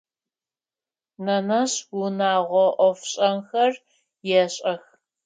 Нэнэжъ унэгъо ӏофшӏэнхэр ешӏэх.